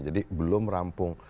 jadi belum rampung